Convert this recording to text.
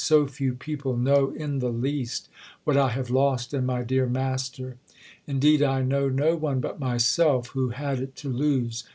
So few people know in the least what I have lost in my dear master. Indeed I know no one but myself who had it to lose.